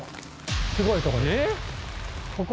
すごいとこです。